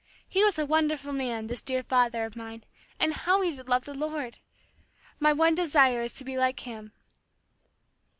He was a wonderful man, this dear father of mine, and how he did love the Lord! My one desire is to be like him."